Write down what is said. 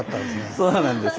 そうなんですよ